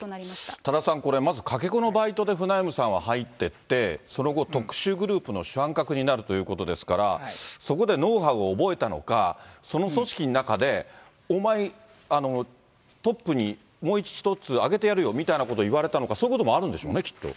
多田さん、これ、かけ子のバイトでフナイムさんは入っていって、その後、特殊グループの主犯格になるということですから、そこでノウハウを覚えたのか、その組織の中で、お前、トップにもう一つ上げてやるよみたいなことを言われたのか、そういうこともあるんでしょうね、きっと。